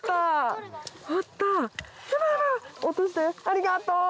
ありがとう。